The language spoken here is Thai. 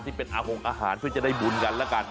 ที่เป็นอาหงอาหารเพื่อจะได้บุญกันแล้วกัน